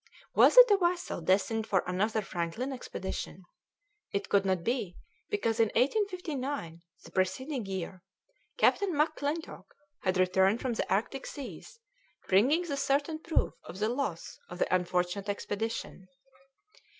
Was it a vessel destined for another Franklin expedition? It could not be, because in 1859, the preceding year, Captain McClintock had returned from the Arctic seas, bringing the certain proof of the loss of the unfortunate expedition.